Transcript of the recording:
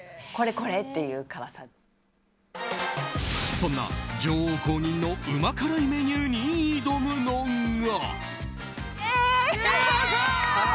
そんな女王公認のうま辛いメニューに挑むのが。